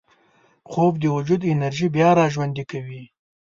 خوب د وجود انرژي بیا راژوندي کوي